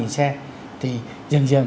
năm ba nghìn xe thì dần dần